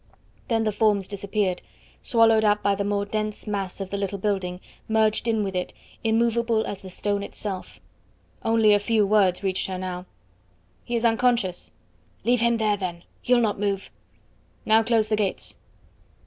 Then the forms disappeared, swallowed up by the more dense mass of the little building, merged in with it, immovable as the stone itself. Only a few words reached her now. "He is unconscious." "Leave him there, then; he'll not move!" "Now close the gates!"